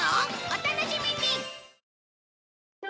お楽しみに！